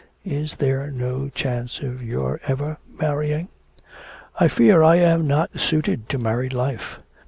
Is there no chance of your ever marrying?' 'I fear I am not suited to married life.